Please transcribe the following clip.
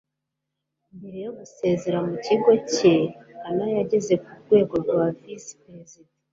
mbere yo gusezera mu kigo cye, anna yageze ku rwego rwa visi perezida